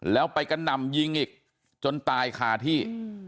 แล้วไปกระหน่ำยิงอีกจนตายคาที่